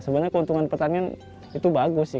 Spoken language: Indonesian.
sebenarnya keuntungan pertanian itu bagus sih